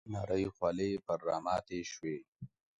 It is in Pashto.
نرۍ خولې پر راماتې شوې .